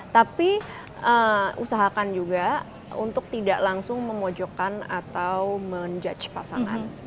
tapi usahakan juga untuk tidak langsung memojokkan atau menjudge pasangan